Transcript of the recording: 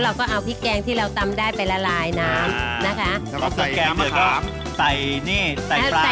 เราก็เอาพริกแกงที่เราตำได้ไปละลายน้ำนะคะแล้วก็ใส่แกงมะขามใส่นี่ใส่ปลา